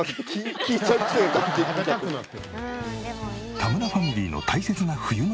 田村ファミリーの大切な冬の